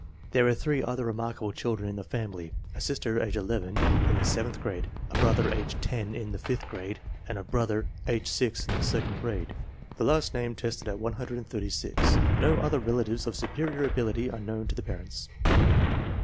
There are three other remarka ble children in the family; a sister, age 11, in the sev enth grade; a brother, age 10, in the fifth grade; and a brother, age 6, in the second grade. The last named tested at 136. No other relatives of superior ability are known to the parents.